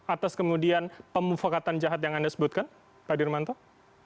atas kemudian pemufakatan jahat yang anda sebutkan pak dirmanto